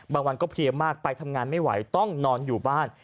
บางวันก็เพลียมากไปทำงานไม่ไหวต้องนอนอยู่บ้าน